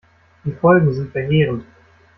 Die Folgen sind verheerend.